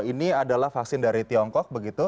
ini adalah vaksin dari tiongkok begitu